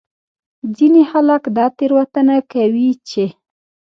ځینې خلک دا تېروتنه کوي چې